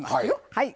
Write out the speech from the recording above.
はい。